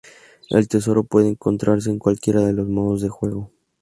El tesoro puede encontrarse en cualquiera de los modos de juego.